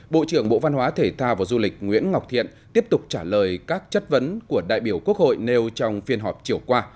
bộ trưởng bộ văn hóa thể thao và du lịch nguyễn ngọc thiện tiếp tục trả lời các chất vấn của đại biểu quốc hội nêu trong phiên họp chiều qua